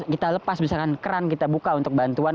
kita lepas misalkan keran kita buka untuk bantuan